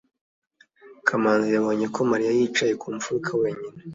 kamanzi yabonye ko mariya yicaye mu mfuruka wenyine